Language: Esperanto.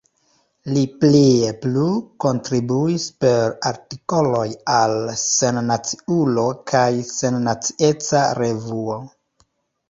Li plie plu kontribuis per artikoloj al Sennaciulo kaj Sennacieca Revuo.